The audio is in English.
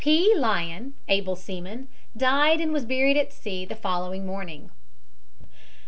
P. Lyon, able seaman, died and was buried at sea the following morning.